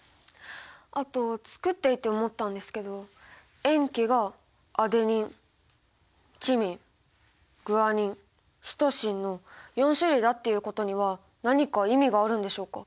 あと作っていて思ったんですけど塩基がアデニンチミングアニンシトシンの４種類だっていうことには何か意味があるんでしょうか？